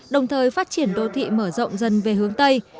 đồng thời phát triển đô thị mở rộng dân về hướng tây